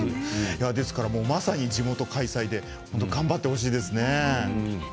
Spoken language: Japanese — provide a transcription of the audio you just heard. ですから、まさに地元開催で頑張ってほしいですね。